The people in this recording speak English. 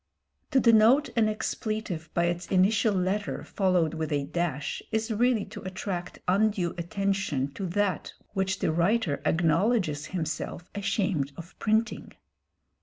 To denote an expletive by its initial letter followed with a dash is really to attract undue attention to that which the writer acknowledges himself ashamed of printing.